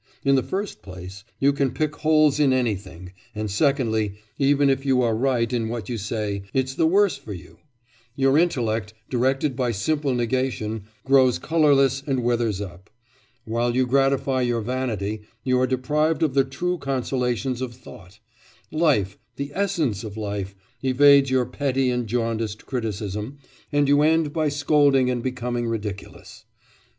In the first place, you can pick holes in anything; and secondly, even if you are right in what you say, it's the worse for you; your intellect, directed by simple negation, grows colourless and withers up. While you gratify your vanity, you are deprived of the true consolations of thought; life the essence of life evades your petty and jaundiced criticism, and you end by scolding and becoming ridiculous.